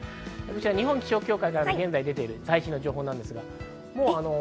日本気象協会から現在、出ている最新情報です。